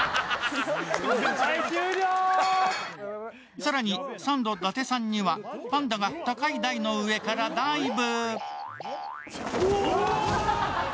更にサンド伊達さんにはパンダが高い台の上からダイブ。